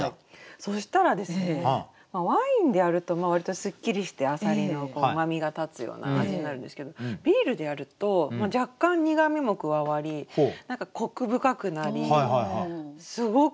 そしたらですねワインでやると割とスッキリしてあさりのうまみが立つような味になるんですけどビールでやると若干苦みも加わり何かコク深くなりすごくおいしい！